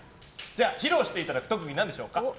披露していただく特技は何でしょうか？